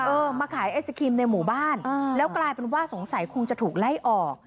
เออมาขายไอศครีมในหมู่บ้านแล้วกลายเป็นว่าสงสัยคงจะถูกไล่ออก